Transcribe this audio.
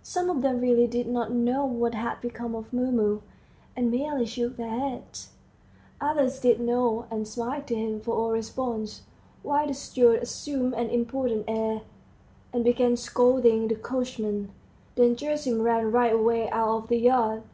... Some of them really did not know what had become of Mumu, and merely shook their heads; others did know, and smiled to him for all response; while the steward assumed an important air, and began scolding the coachmen. Then Gerasim ran right away out of the yard.